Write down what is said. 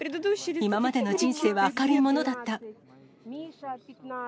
今までの人生は明るいものだった。